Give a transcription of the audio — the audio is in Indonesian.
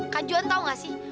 kak juan tau gak sih